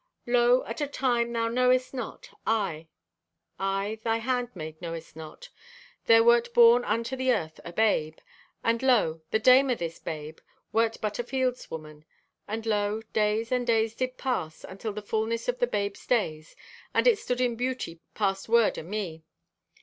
"Lo, at a time thou knowest not, aye, I, thy handmaid, knowest not, there wert born unto the earth a babe. And lo, the dame o' this babe wert but a field's woman. And lo, days and days did pass until the fullness of the babe's days, and it stood in beauty past word o'me.